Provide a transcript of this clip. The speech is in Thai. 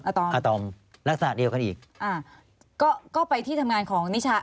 อาตอมลักษณะเดียวกันอีกอ่าก็ก็ไปที่ทำงานของนิชา